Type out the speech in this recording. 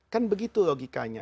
kan begitu logikanya